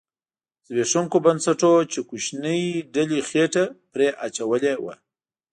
زبېښوونکو بنسټونو چې کوچنۍ ډلې خېټه پرې اچولې وه